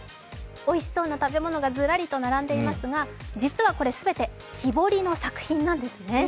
おいしそうな食べ物がずらりと並んでいますが、実はこれ全て木彫りの作品なんですね。